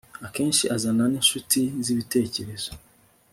Akenshi azana ninshuti zibitekerezo